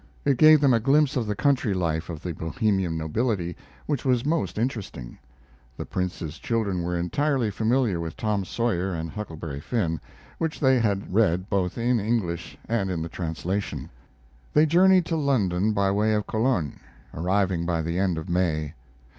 It gave them a glimpse of the country life of the Bohemian nobility which was most interesting. The Prince's children were entirely familiar with Tom Sawyer and Huckleberry Finn, which they had read both in English and in the translation. They journeyed to London by way of Cologne, arriving by the end of May.